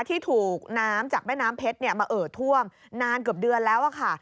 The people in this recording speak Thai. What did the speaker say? ที่ถูกน้ำจากแม่น้ำเพชรมาเอ่อท่วมนานเกือบเดือนแล้วค่ะ